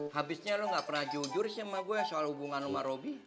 habisnya lo gak pernah jujur sih sama gue soal hubungan lo sama robi